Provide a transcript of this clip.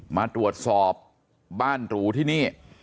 มาตรวจสอบบ้านหรูที่นี่